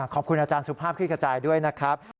ขอบคุณอาจารย์สุภาพคลิกกระจายด้วยนะครับ